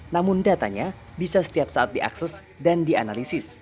namun datanya bisa setiap saat diakses dan dianalisis